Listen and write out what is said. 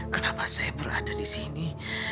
kenapa saya berada disini